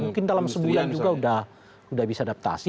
mungkin dalam sebulan juga sudah bisa adaptasi